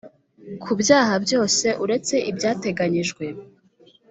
Ku byaha byose uretse gusa ibyateganyijwe